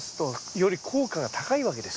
より効果が高いわけです。